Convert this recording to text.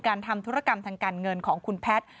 ทำธุรกรรมทางการเงินของคุณแพทย์